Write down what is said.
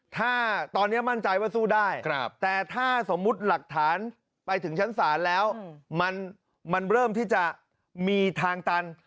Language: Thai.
ถ้าตอนนี้มั่นใจว่าสู้ได้แต่ถ้าสมมุติหลักฐานไปถึงชั้นศาลแล้วมันเริ่มที่จะมีทางตัน